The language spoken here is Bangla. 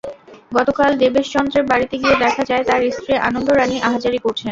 গতকাল দেবেশ চন্দ্রের বাড়িতে গিয়ে দেখা যায়, তাঁর স্ত্রী আনন্দ রানী আহাজারি করছেন।